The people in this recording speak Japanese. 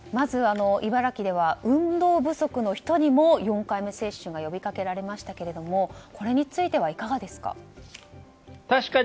茨城では運動不足の人にも４回目接種が呼び掛けられましたがこれについてはいかがですか？